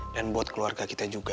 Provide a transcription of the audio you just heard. dan buat keluarga kita juga